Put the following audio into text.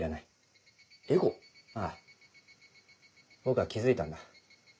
ああ僕は気付いたんだ。